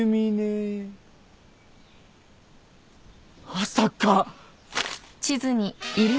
まさか！